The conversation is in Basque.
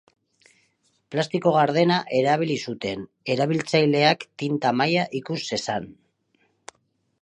Plastiko gardena erabili zuten, erabiltzaileak tinta maila ikus zezan.